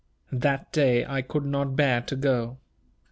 That day I could not bear to go.